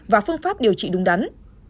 và phương pháp điều trị đúng đắn